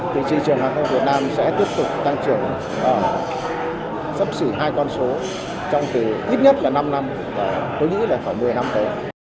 thì thị trường hàng không việt nam sẽ tiếp tục tăng trưởng sắp xỉ hai con số trong ít nhất năm năm tôi nghĩ là khoảng một mươi năm tới